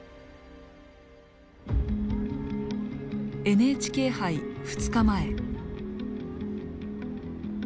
ＮＨＫ杯２日前。